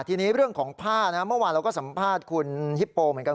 ทีนี้เรื่องของผ้านะเมื่อวานเราก็สัมภาษณ์คุณฮิปโปเหมือนกัน